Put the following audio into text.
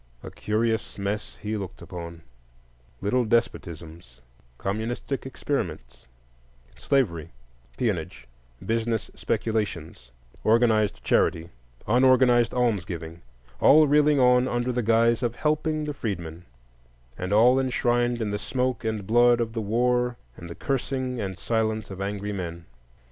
A curious mess he looked upon: little despotisms, communistic experiments, slavery, peonage, business speculations, organized charity, unorganized almsgiving,—all reeling on under the guise of helping the freedmen, and all enshrined in the smoke and blood of the war and the cursing and silence of angry men.